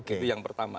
itu yang pertama